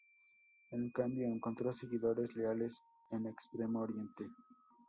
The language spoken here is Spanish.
En cambio, encontró seguidores leales en Extremo Oriente.